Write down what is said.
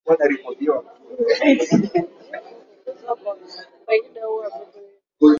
zinahitaji kupunguzwa kwa faida ua vitu hivi